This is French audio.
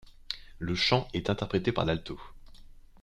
Le chant est interprété par l'alto.